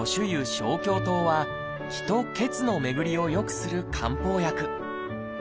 生姜湯は「気」と「血」の巡りをよくする漢方薬。